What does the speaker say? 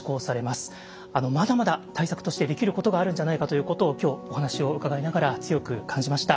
まだまだ対策としてできることがあるんじゃないかということを今日お話を伺いながら強く感じました。